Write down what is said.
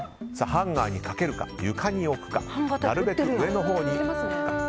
ハンガーにかけるか床に置くか、なるべく上のほうに。